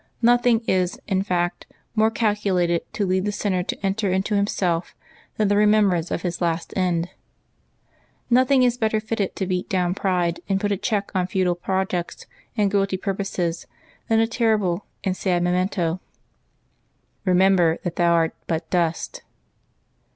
Nothing is, in fact, more calculated to lead the sinner to enter into himself than the remembrance of his last end. Nothing is better fitted to beat down pride and put a check on futile projects and guilty purposes than the terrible and sad memento, "Eemember that thou art but dust!